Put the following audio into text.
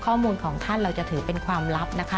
ข้อมูลของท่านเราจะถือเป็นความลับนะคะ